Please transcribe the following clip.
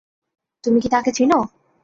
তুমি কি তাকে চিনো?